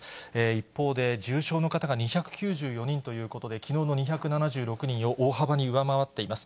一方で、重症の方が２９４人ということで、きのうの２７６人を大幅に上回っています。